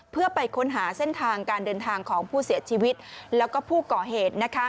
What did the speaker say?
เพื่อไปค้นหาเส้นทางการเดินทางของผู้เสียชีวิตแล้วก็ผู้ก่อเหตุ